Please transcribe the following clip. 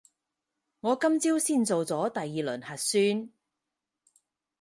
我今朝先做咗第二輪核酸